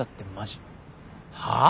はあ？